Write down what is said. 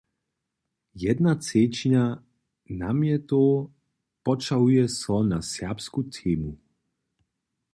Jedna třećina namjetow poćahuje so na serbsku temu.